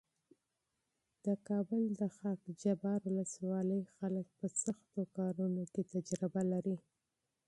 د کابل د خاکجبار ولسوالۍ خلک په سختو کارونو کې تجربه لري.